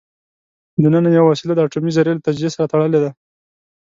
دننه یوه وسیله د اټومي ذرې له تجزیې سره تړلې ده.